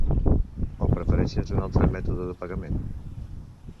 O prefereixes un altre mètode de pagament?